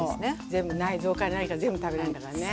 全部内臓から何から全部食べれんだからね。